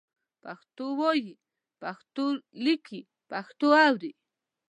پښتو وایئ، پښتو لیکئ، پښتو اورئ